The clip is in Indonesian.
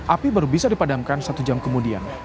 api baru bisa dipadamkan satu jam kemudian